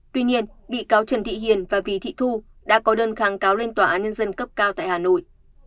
tuy nhiên bị cáo trần thị hiền và vì thị thu đã có đơn kháng cáo lên tòa án nhân dân cấp cao tại hà nội